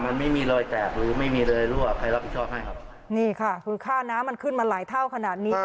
นี่ค่ะคือค่าน้ำมันขึ้นมาหลายเท่าขนาดนี้